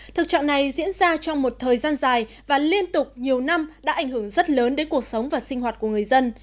thực trạng này diễn ra trong một thời gian dài và liên tục nhiều năm đã ảnh hưởng rất lớn đến cuộc sống và sinh hoạt của người dân